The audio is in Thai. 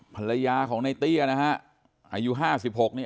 ภรรยาของในเตี้ยนะฮะอายุห้าสิบหกนี่